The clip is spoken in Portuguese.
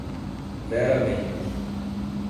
Vera Mendes